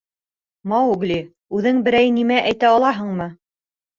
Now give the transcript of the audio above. Маугли, үҙең берәй нимә әйтә алаһыңмы?